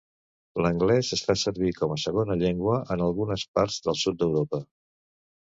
L'anglès es fa servir com a segona llengua en algunes parts del sud d'Europa.